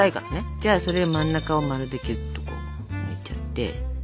じゃあそれ真ん中をまるできゅっとこう抜いちゃって。